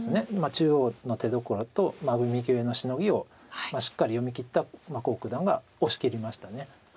中央の手どころと右上のシノギをしっかり読みきった黄九段が押しきりました。